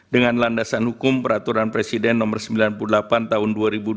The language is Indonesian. dengan landasan hukum peraturan presiden nomor sembilan puluh delapan tahun dua ribu dua puluh